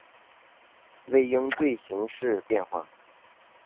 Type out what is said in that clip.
为应对形势变化